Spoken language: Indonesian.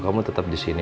kamu tetap di sini